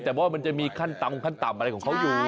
แต่ว่ามันจะมีขั้นต่ำขั้นต่ำอะไรของเขาอยู่